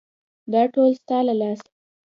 _دا ټول ستا له لاسه.